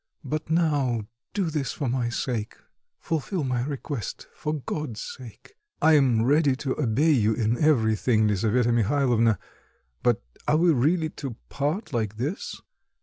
But now, do this for my sake; fulfil my request, for God's sake." "I am ready to obey you in everything, Lisaveta Mihalovna; but are we really to part like this?